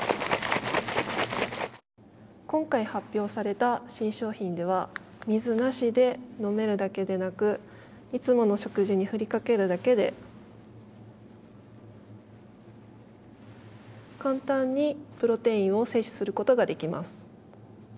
今回発表された新商品では水なしで飲めるだけでなくいつもの食事にふりかけるだけで簡単にプロテインを摂取することができます。